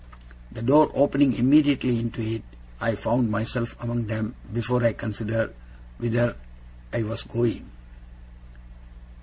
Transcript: The door opening immediately into it, I found myself among them before I considered whither I was going.